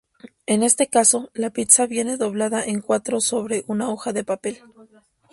En este caso, la pizza viene doblada en cuatro sobre una hoja de papel.